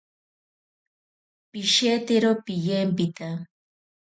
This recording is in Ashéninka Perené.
Pishetero piyempita.